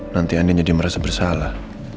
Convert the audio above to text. nanti anda jadi merasa bersalah